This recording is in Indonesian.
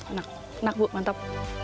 enak enak bu mantap